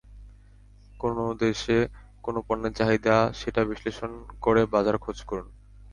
কোন দেশে কোন পণ্যের চাহিদা, সেটা বিশ্লেষণ করে বাজার খোঁজ করুন।